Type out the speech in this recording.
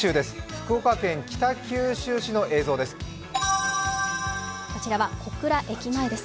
福岡県北九州市の映像です。